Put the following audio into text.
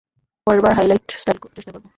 পরের বার highlight style চেষ্টা করব?